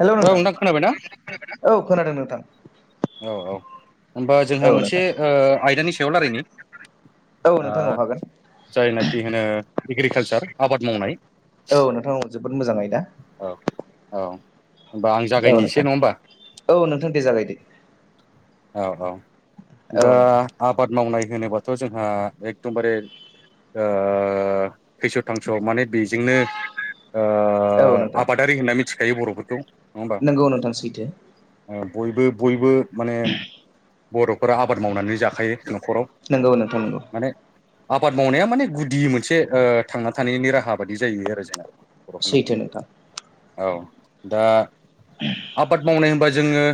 हेल' औ नोंथां खोनाबायना नोंथां औ खोनादों नोंथां औ औ होनबा औ जोंहा नोंथां मोनसे ओ आयदानि सायाव रायलायनि औ ओ नोंथां औ हागोन जायनाखि होनो एग्रिकालसार आबाद मावनाय औ नोंथांमोन जोबोद मोजां आयदा औ औ होमबा आं औ नोंथां जागायनोसै नङा होमबा औ नोंथां दे जागायदो औ औ दा औ नोंथां आबाद मावनाय होनोबाथ' जोंहा एकदमबारे ओ थैस' थांस' माने बेजोंनो ओ औ आबादारि होनना मिथिखायो बर'फोरखौ नङा होमबा नंगौ नोंथां सैथो बयबो बयबो माने बर'फोरा आबाद मावनानै जाखायो न'खराव नंगौ नोंथां नंगौ माने आबाद मावनाया माने गुदि मोनसे ओ थांना थानायनि राहा बादि जायो आरो जोंना बर'फोरनाव सेैथोे नोंथां औ दा आबाद मावनाय होनबा जोङो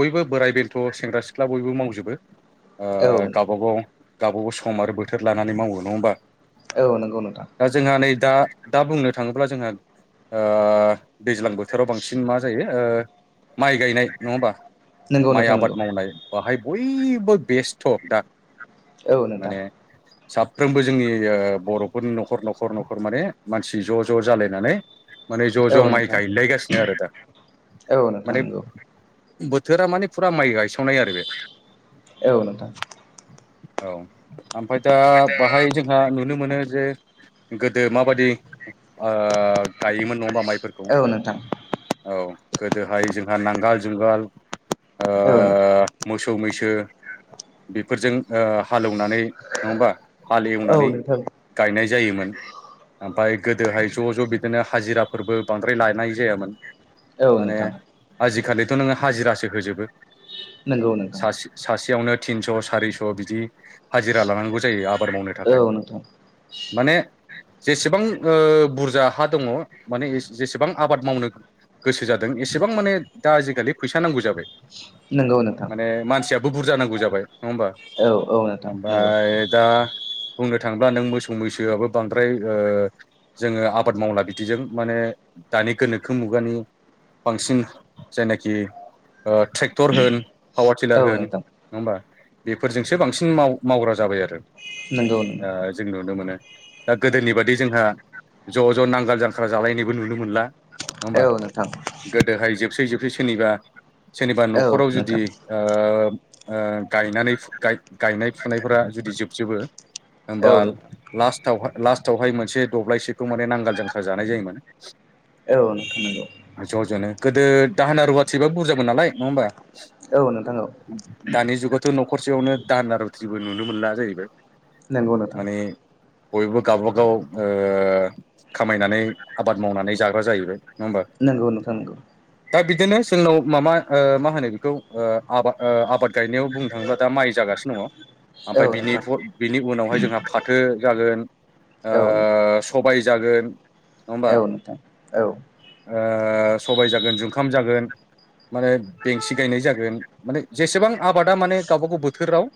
बयबो बोराय बेन्थ' सेंग्रा सिख्ला बयबो मावजोबो ओ औ गावबा गाव गावबागाव सम आरो बोथोर लानानै मावो नङा होमबा औ नोंगौ नोंथां दा जोंहा नै दा दा बुंनो थांङोब्ला जोंहा ओ दैज्लां बोथोराव बांसिन मा जायो ओ माइ गायनाय नंङा होमबा नोंगौ माइ नोंथां आबाद नोंगौ मावनाय बाहाय बयबो बेस्थ' दा औ नोंथां माने साफ्रोमबो जोंनि बर'फोरनि न'खर न'खर न'खर माने मानसि ज' ज' जालायनानै माने ज' औ ज' माइ नोंथां गायलायगासिनो आरो दा औ नोंथां माने नोंगौ बोथोरा माने फुरा माइ गायसावनाय आरो बे औ नोंथां औ ओमफ्राय दा बाहाय जोंहा नुनो मोनो जे गोदो माबायदि ओ गायोमोन नङा होमबा माइखौ औ नोंथां औ गोदोहाय जोंहा नांगाल जुंगाल औ नोंथां मोसौ मैसो बेफोरजों ओ हालेवनानै नंङा होमबा हाल औ एवनानै नोंथां गायनाय जायोमोन ओमफ्राय गोदोहाय ज' ज' बिदिनो हाजिराफोरबो बांद्राय लानाय जायामोन। औ माने नोंथां आजिखालिथ' नोङो हाजिरासो होजोबो नोंगौ नोंथां सासे-सासेयावनो थिनस' सारिस' बिदि हाजिरा लानांगौ जायो आबाद मावनो औ थाखाय नोंथां माने जेसेबां बुरजा ओ हा दङ माने जेसेबां आबाद मावनो गोसो जादों एसेबां माने दा आजिखालि फैसा नांगौ जाबाय नंगौ नोंथां बुरजानांगौ जाबाय नङा होमबा औ औ नोंथां नोंगौ ओमफाय दा बुंनो थाङोब्ला नों मोसौ मैसोआबो बांद्राय ओ जोंङो आबाद मावला बिदिजों माने दानि गोनोखो मुगानि बांसिन जायनाखि ओ ट्रेक टर होन पावार टिलार औ होन नोंथां नङा होमबा बेफोरजोंसो बांसिन मावग्रा जाबाय आरो। नोंगौ नोंगौ ओ जों नुनो मोनो। दा गोदोनि बादि जोंहा ज' ज' नांगोल जांख्रा जालायनायबो नुनो मोनला। नङा होमबा औ नोंथां गोदोहाय जोबसै जोबसै सोरनिबा सोर औ खराव जुदि नोंथां ओ ओ गायनानै गायनाय फुनायफोरा जुदि जोबजोबो औ होमबा नोंथां लास्ट टावहा लास्टावहाय मोनसे दब्लायसेखौ माने नांगाल जांख्रा जानाय जायोमोन। औ नोंथां ज' ज'नो गोदो दाहोना रुवाथि बा बुरजामोन नालाय नङा होमबा। औ नोंथां औ। दानि जुगावथ' न'खरसेयावनो दाना रुत्रिबो नुनो मोनला जाहैबाय। नोंगौ नोंथां। माने बयबो गावबागाव ओ खामायनानै आबाद मावनानै जाग्रा जाहैबाय। नोंगौ नोंथां नोंगौ। दिनो जोंनाव माबा ओ मा होनो खौ ओ आबाद ओ आबाद गायनायाव बुंनो थाङोब्ला दा माइ जागासिनो दङ। औ ओमफाय बिनि नोंथां फर बिनि उनावहाय जोंहा फाथो जागोन ओ औ नोंथां सबाय जा जागोन। नङा होमबा औ नोंथां औ। ओ सबाय जागोन जुंखाम जागोन माने बेंसि गायनाय जागोन माने जेसेबां आबादा माने गावबा गाव बोथोराव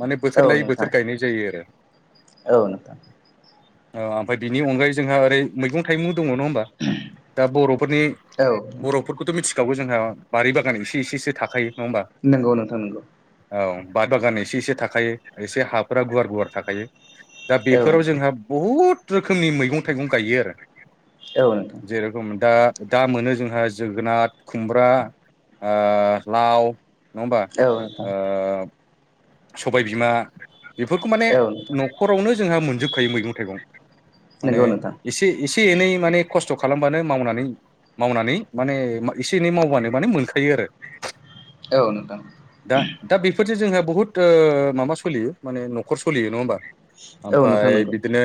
माने बोथोर औ लायै बोथोर नोंथां गायनाय जायो आरो। औ नोंथा। ओ ओमफाय बिनि अनगायै जोंहा ओरै मैगं थाइगं दङ नङा होमबा। दा बर'फोरनि औ बर'फोरखौथ' मिथिखागौ जोंहा बारि बागान एसे एसेसो थाखायो नङा नंगौ नोंथां नंगौ। बार बागान एसे एसे थाखायो एसे हाफोरा गुवार गुवार थाखायो। दा औ बेफोराव नोंथां जोंहा बहुद रोखोमनि मैगं थाइगं गायो आरो। औ नोंथां जे रोखम दा दा मोनो जोंहा जोगोनार, खुमब्रा आ लाव नङबा औ नोंथां ओ सबायबिमा बेफोरखौ माने औ नोंथां न'खरावनो जोंहा मोनजोबखायो मैगं थाइगं। माने नंगौ नोंथां एसे एसे एनै माने खस्थ' खालामबानो मावनानै मावनानै माने एसे एनै मावबानो माने मोनखायो आरो। औ नोंथां। दा दा बेफोरजों जोंहा बुहुत ओ माबा सोलियो माने न'खर सोलियो नङा होमबा। औ नोंथां ओमफाय बिदिनो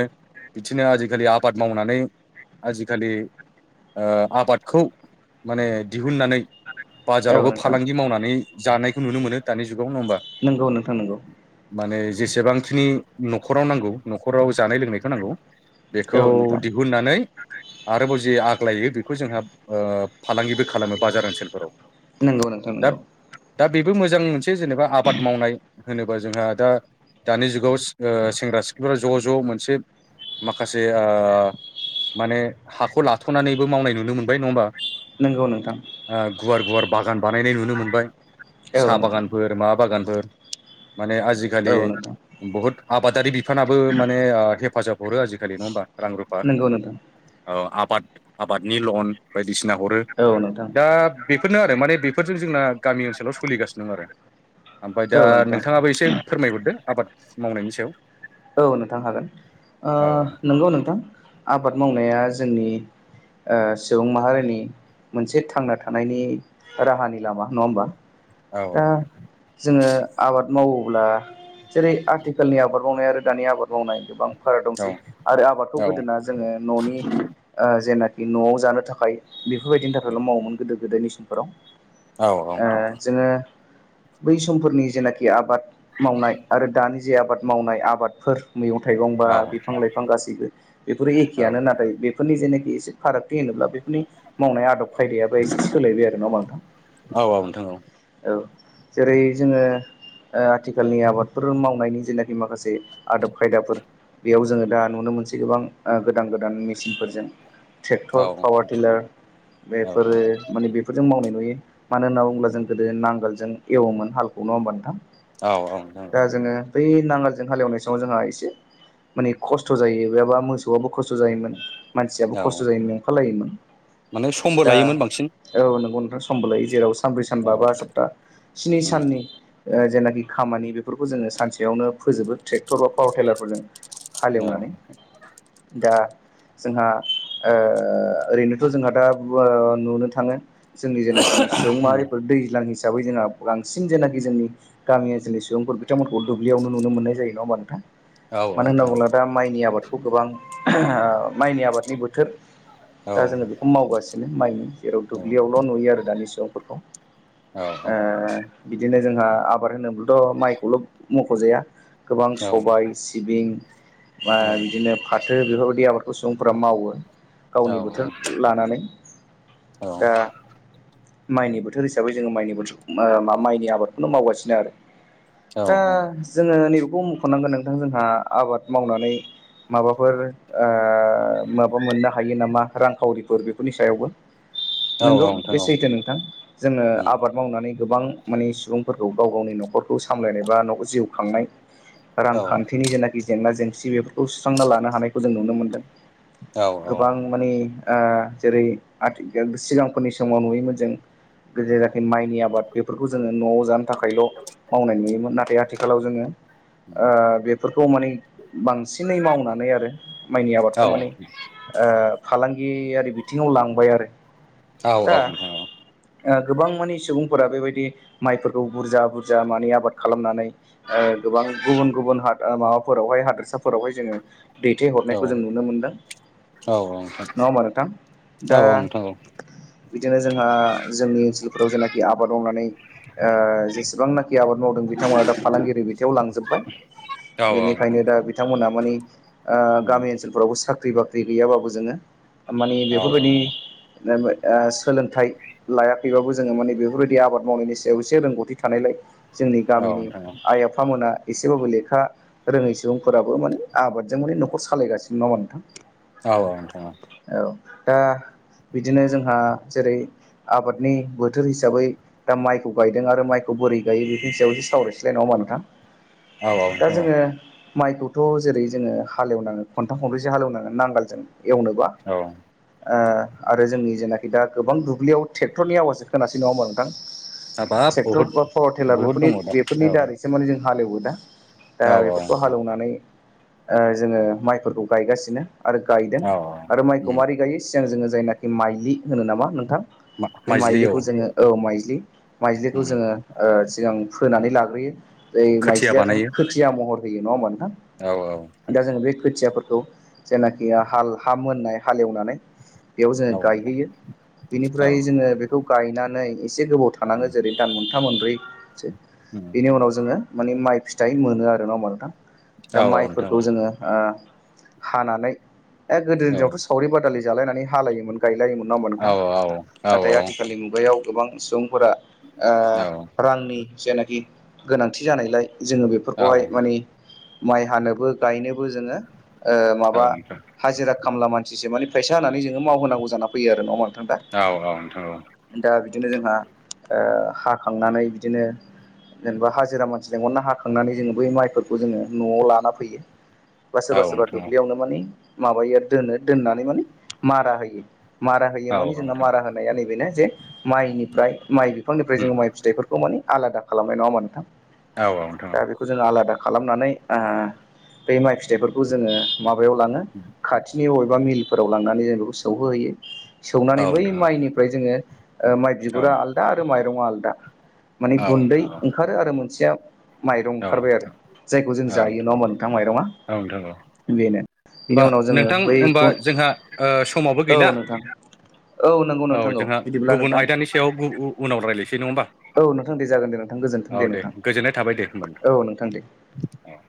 बिथिनो आजिखालि आबाद मावनानै आजिखालि ओ आबादखौ माने दिहुननानै बाजारावबो फालांगि मावनानै जानायखौ नुनो मोनो दानि जुगाव नङ होमबा। नोंगौ नोंथां नोगौ। माने जेसेबांखिनि न'खराव नांगौ न'खराव जानाय लोंनायखौ नांगौ बेखौ औ नोंथां दिहुननानै आरोबाव जे आग्लायो बेखौ जोंहा ओ फालांगिबो खालामो बाजार ओनसोलफोरावव नोंगौ नोंथां नोंगौ। बेबो मोजां मोनसे जेनेबा आबाद मावनाय होनोबा जोंहा दा दानि जुगाव सि ओ सेंग्रा सिख्ला ज' ज' मोनसे माखासे आ माने हाखौ लाथ'नानैबो मावनाय नुनो मोनबाय नङा होमबा। नंगौ नोंथां आ गुवार गुवार बागान बानायनाय नुनो मोनबाय। औ साह नोंथां बागानफोर मा बागानफोर माने आजिखालि औ नोंथां बहुद आबादारि बिफानाबो माने हेफाजाब हरो आजिखालि नङा होमबा? रां रुफा नोंगौ नोंथां । औ आबाद आबादनि लन बायदिसिना हरो औ नोंथां दा बेफोरनो आरो माने बेफोरजों जोंना गामि ओनसोलाव स'लिगासिनो दं आरो । ओमफाय दा औ नोंथां नोंथाङाबो एसे फोरमायहरदो आबाद मावनायनि सायाव। औ नोंथां हागोन ओ औ नंगौ नोंथां आबाद मावनाया जोंनि ओ सुबुं माहारिनि मोनसे थांना थानायनि राहानि लामा नङा होमबा औ दा जोङो आबाद मावोब्ला जेरै आथिखालनि आबाद मावनाय आरो दानि आबाद मावनाय गोबां फाराग औ दंसै आरो आबादखौ औ गोदोना जोङो न'नि जेनाखि न'आव जानो थाखाय बेफोरबायदिनि थाखायल' मावोमोन गोदो गोदायनि समफोराव । औ औ । बिदिनो बै समफोरनि जेनाखि आबाद मावनाय आरो दानि जे आबाद मावनाय आबादफोर मैगं थाइगं बा औ बिफां लाइफां गासैबो बेफोरो औ एखेयानो नाथाय बेफोरनि जेने एसे फारागथि होनोब्ला बेफोरनि मावनाय आदब खायदायाबो एसे सोलायबाय आरो नङा होमबा नोंथां? औ नोंथां औ जेरै जोङो आथिखालनि आबादफोर मावनायनि जेनाखि माखासे आदब खायदाफोर बेयाव जोङो दा नुनो मोनसै गोबां गोदान गोदान मेचिनफोरजों औ ट्रेक्टर पावार टिलार बेफोरो माने बेफोरजों मावनाय नुयो मानो होनना बुङोब्ला जों गोदो नांगोलजों एवोमोन हालखौ नङ होमबा नोंथां? औ औ नंगौ दा । जोङो बै नांगालजों हालेवनाय समाव जोंहा एसे माने खस्थ' जायो एबा मोसौ आबो खस्थ' जायोमोन मानसियाबो औ औ खस्थ' जायोमोन नेंफालायोमोन माने समबो । दा लायोमोन बांसिन औ नंगौ । समबोलायो जेराव सानब्रै सानबा औ बा सप्ता स्नि उम साननि जेनाखि खामानि बेफोरखौ जोङो सानसेयावनो फोजोबो ट्रेक्टर बा पावार टलारफोरजों औ हालेवनानै दा जोंहा ओरैनोथ' जोंहा दा नुनो थाङो जोंनि जेनाखि उम सुबुंमाहारि दैज्लां हिसाबै जोंहा बांसिन जेनाखि जोंनि गामि ओनसोलनि सुबुंफोर बिथांमोनखौ दुब्लियावनो नुनो मोननाय जायो । जायो नङा होनोमबा नोंथाङां औ मानो होनना नोंथां औ बुङोब्ला दा माइनि आबादखौ गोबां ओ माइनि आबादनि बोथोर औ दा जोङो बेखौ मावगासिनो माइनि जेराव औ दुब्लियावल' नुयो आरो दानि समगाव औ ए बिदिनो जोंहा आबाद होनोब्लाथ' माइखौल' मख'जाया । गोबां सबाय सिबिं बिदिनो फाथो बेफोरबायदि आबाद । उसुफोराव मावो गावनि बोथोर औ लानानै दा माइनि बोथोर हिसाबै जोङो माइनि बोथोरखौ मा माइनि आबादखौनो मावगासिनो आरो औ । दा जोङो नैबेखौ मखनांगोन नोंथां जोंहा आबाद मावनानै माबाफोर ओ माबा मोननो हायो नामा? रांखावरिफोर बेफोरनि सायावबो नोंगौ औ नोंथां बे औ सैथो नोंथां । जोङो उम आबाद मावनानै गोबां माने सुबुंफोरखौ गाव गावनि न'खरफोरखौ सामलायनाय बा न' जिउ खांनाय औ औ नोंथां रांखान्थिनि जेनाखि जेंना जेंसि बेफोरखौ सुस्रांना लानो हानायखौ जों नुनो मोनदों । गोबां माने ओ जेरै आथिखाल सिगांफोरनि समाव नुयोमोन जों जेरै जाखि माइनि आबाद बेफोरखौ जोङो न'आव जानो थाखायल' मावनाय नुयोमोन नाथाय आथिखालाव जोङो ओ बेफोर खौ माने बांसिनै मावनानै आरो माइनि आबादखौ औ माने नोंथां औ ओ फालांगि यारि बिथिंआव लांबाय आरो औ दा औ ओ गोबां मानि सुबुंफोरा बेबायदि माइफोरखौ बुरजा बुरजा मानि आबाद खालामनानै ओ गोबां गुबुन गुबुन हादा माबाफोरावहाय हादोरसाफोरावहाय जोङो दैथायहरनायखौ जों नुनो मोनदों नंआ होमबा नोंथां दा बिदिनो जोंहा जोंनि ओनसोलफोराव जेनाखि आबाद मावनानै ओ जेसेबांनाखि जे आबाद मावदों बिथांमोना दा फालांगिरि बिथायाव लांजोबबाय औ औ बेनिखायनो नोंथां दा बिथांमोनहा मानि ओ उम गामि ओनसोलफोरावबो साख्रि साख्रि बाख्रि गैयाबाबो जोङो मानि औ बेफोर बायदि सोलोंथाइ लायाखैबाबो जोङो मानि बेफोरबायदि आबाद मावनायनि सायाव एसे रोंगौथि थानायलाय जोंनि गामिनि नोंथां आइ आफामोना एसेबाबो लेखा रोङै सुबुंफोराबो माने आबादजों माने न'खर सालायगासिनो नंआ‌ होनबा नोंथां औथां औ दा बिदिनो जोंहा जेरै आबादनि बोथोर हिसाबै दा माइखौ गायदों आरो माइखौ बोरै गायो बेफोरनि सायावसो सावरायसि बे नंआ होनबा नोंथां औ औ दा नोंथां औ जोङो माइखौथ' जेरै जोङो हालेवनांओ खनथाम खनब्रैसो हालेवनाङो नांगोलजों एवनोबा औ औ आरो जोंनि जेनाखि दा गोबां दुब्लियाव [inaudible] ट्रेक्टरनि आवाजजों होनोनासो नङ होमा नोंथां [inaudible] हाबाब ट्रेक्टर बहुद बा पावार टेलार बहुद बेफोरनि दङ दा बेफोरनि औ दारैसो माने जों हालेवो दा दा औ बेफोरखौ औ हालेवनानै ओ जोङो माइफोरखौ गायगासिनो आरो गायदों औ आरो माइखौ उम मारै गायै सिगां जोङो जायनाखि माइजि होनो नामा नोंथां बे माइज्लि औ माइलिखौ जोङो औ माइ लि माइज्लिखौ उम जोङो सिगां फोनानै लाग्रोयो जै खोथिया माइज्लिया बानायो थ' खोथिया महर होयो नङा होमबा नोंथां औ दा जोङो बे खोथियाफोरखौ खौ जेनाखि हाल हा मोननाय हालोवनानै बेयाव जोङो औ गायहैयो इनिफ्राय औ जोङो बेखौ गायनानै एसे गोबाव थानाङो उम जेरै दान मोनथा मोनब्रै सो उम बेनि उनाव जोङो माने माइ फिथाइ मोनो आरो नंआ होमबा नोंथां दा औ औ नोंथां माइफोरखौ औ जोङो ओ हानानै ए गोदो औ दिनावथ' सावरि बादालि जालायनानै हालायोमोन गायलायोमोन नङा होमबा औ नोंथां औ नाथाय औ आथिखालनि मुगायाव गोबां बुरा [inaudible] ओ नोंथां रांनि जेनाखि गोनांथि जानायलाय जोङो बेफोरखौहाय मानि माइ हानोबो गायनोबो जोङो ओ औ माबा नोंथां हाजिरा खामला मानसिसो माने फैसा होनानै जों मावहो नांगौ जाना फैयो नंआ होनबा दा औ औ नोंथां दा बिदिनो जोंहा ओ हाखांनानै बिदिनो जेनोबा हाजिरा मानसि लेंंहरना हाखांनानै जोङो बै माइफोरखौ जोङो न'आव लाना फैयो बा सोरबा सोरबा दुब्लियावनो मानि माबायो आरो दोनो दोननानै मानि मारा होयो मारा होयो औ मानि जोंहा नोंथां मारा होनाया नैबेनो जे माइनिफ्राय माइ बिफांनिफ्राय उम जोङो माइ फिथाइफोरखौ मानि आलादा खालामबाय नंआ होनबा नोंथां औ नोंथां दा बेखौ जोङो आलादा खालामनानै ओ बे माइ फिथाइफोरखौ जोङो माबाआव लाङो खाथिनि अबेबा मिलफोराव लांनानै जों बेखौ सौहोहैयो सौनानै औ बै नोंथां माइनिफ्राय जोङो ओ माइ बिगुरा आलदा आरो माइरंआ आलदा माने औ गुन्दै नोंथां ओंखारो आरो मोनसेआ माइरं औ ओंखारबाय आरो जायखौ जों औ नोंथां जायो नङा नोंथां होनबा औ नोंथां औ माइरंआ बेनो होमबा बेनि उनाव जोङो नोंथां बै होमबा ग जोंहा समावबो औ गैला नोंथां औ नंगौ नोंथां औ जोंहा बिदिब्ला गुबुन नोंथां आयदानि सायाव उनाव रायज्लायसै नङा होमबा औ नोंथां दे जागोन दे नोंथां गोजोन्थों औ दे नोंथां गोजोननाय थाबाय दे होमबा औ दे नोंथां औ